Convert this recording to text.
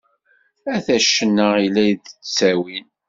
Ata ccna i la d-ttawin.